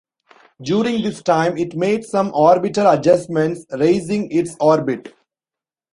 During this time it made some orbital adjustments, raising its orbit.